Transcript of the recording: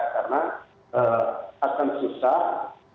karena akan susah